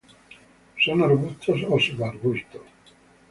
Son arbustos o subarbustos.